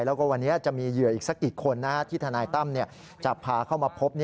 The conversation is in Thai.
แล้วก็วันนี้จะมีเหยื่ออีกสักอีกคนที่ทนายตั้มจะพาเข้ามาพบ